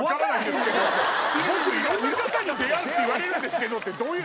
「僕いろんな方に出会うって言われるんですけど」ってどういう？